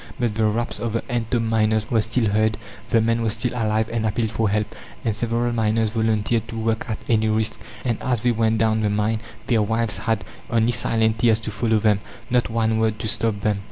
But the raps of the entombed miners were still heard, the men were still alive and appealed for help, and several miners volunteered to work at any risk; and as they went down the mine, their wives had only silent tears to follow them not one word to stop them.